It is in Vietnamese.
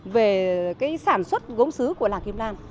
về cái sản xuất gốm sứ của làng kim lan